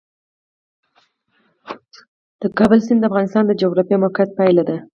د کابل سیند د افغانستان د جغرافیایي موقیعت پایله ده.